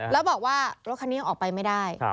แล้วบอกว่ารถคันนี้ยังออกไปไม่ได้